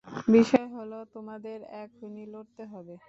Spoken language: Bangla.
বিষয় হলো, তোমাদের এখনই লড়তে হবে।